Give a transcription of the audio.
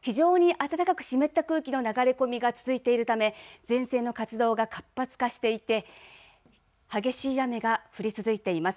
非常に暖かく湿った空気の流れ込みが続いているため前線の活動が活発化していて激しい雨が降り続いています。